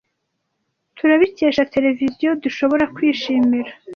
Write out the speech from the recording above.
Turabikesha televiziyo, dushobora kwishimira